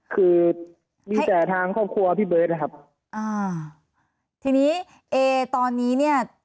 คือมีแต่ทางครอบครัวพี่เบิร์ตนะครับอ่าทีนี้เอตอนนี้เนี่ย